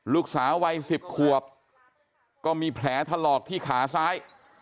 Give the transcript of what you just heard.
ลูกสาววัย๑๐ขวบก็มีแผลถลอกที่ขาซ้าย